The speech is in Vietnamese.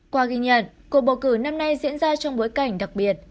qua ghi nhận cuộc bầu cử năm nay diễn ra trong bối cảnh đặc biệt